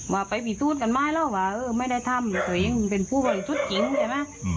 ว่าไปผิดสูตรกันไม่แล้วว่าไม่ได้ทำแต่ยังเป็นผู้บริสุทธิ์จริงใช่ไหม